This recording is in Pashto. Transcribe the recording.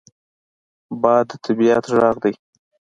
باد د طبعیت غږ دی